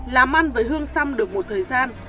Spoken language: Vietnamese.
làm ăn với hương xăm được một thời gian